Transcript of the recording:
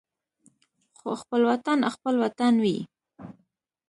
خو خپل وطن خپل وطن وي.